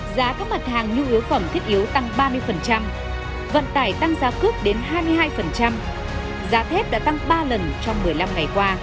giá các mặt hàng nhu yếu phẩm thiết yếu tăng ba mươi vận tải tăng giá cước đến hai mươi hai giá thép đã tăng ba lần trong một mươi năm ngày qua